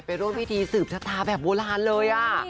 ไปรวมวิธีสืบชะทาแบบโบราณเลยอ่ะ